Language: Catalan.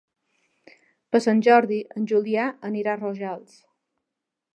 Per Sant Jordi en Julià anirà a Rojals.